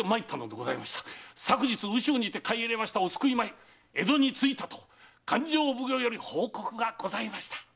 昨日羽州にて買い入れたお救い米が江戸に着いたと勘定奉行より報告がございました。